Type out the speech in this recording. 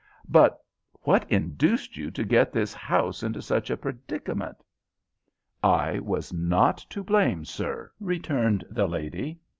"But what induced you to get this house into such a predicament?" "I was not to blame, sir," returned the lady.